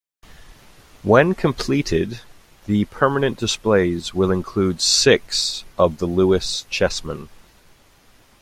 When completed the permanent displays will include six of the Lewis Chessmen.